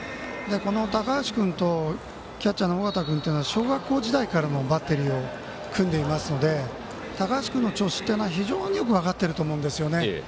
高橋君とキャッチャーの尾形君というのは小学校時代からバッテリーを組んでいますので高橋君の調子というのは非常によく分かっていると思うんですね。